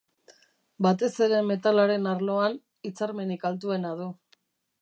Batez ere metalaren arloan, hitzarmenik altuena du.